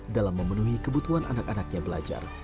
dalam memenuhi kebutuhan anak anaknya belajar